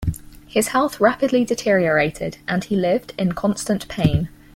His health rapidly deteriorated, and he lived in constant pain.